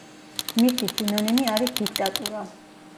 მისი სინონიმი არის დიქტატურა.